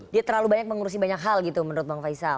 dia terlalu banyak mengurusi banyak hal gitu menurut bang faisal